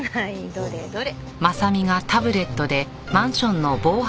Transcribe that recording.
どれどれ。